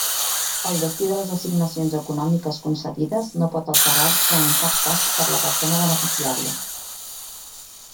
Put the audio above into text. El destí de les assignacions econòmiques concedides no pot alterar-se en cap cas per la persona beneficiària.